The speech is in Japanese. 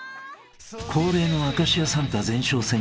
［恒例の『明石家サンタ』前哨戦